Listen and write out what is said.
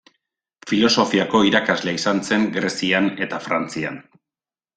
Filosofiako irakaslea izan zen Grezian eta Frantzian.